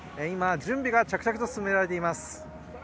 今、準備が着々と進められています。